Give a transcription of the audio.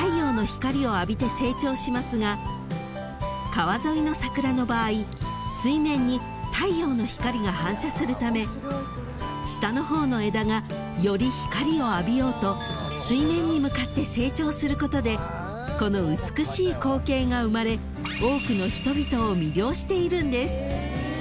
［川沿いの桜の場合水面に太陽の光が反射するため下の方の枝がより光を浴びようと水面に向かって成長することでこの美しい光景が生まれ多くの人々を魅了しているんです］